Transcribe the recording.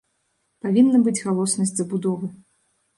Павінна быць галоснасць забудовы.